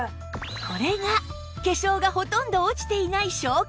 これが化粧がほとんど落ちていない証拠！